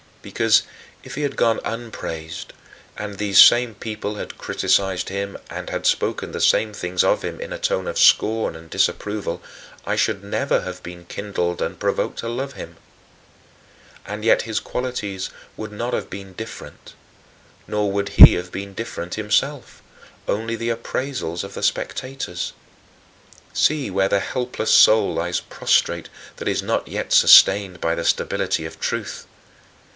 Because if he had gone unpraised, and these same people had criticized him and had spoken the same things of him in a tone of scorn and disapproval, I should never have been kindled and provoked to love him. And yet his qualities would not have been different, nor would he have been different himself; only the appraisals of the spectators. See where the helpless soul lies prostrate that is not yet sustained by the stability of truth!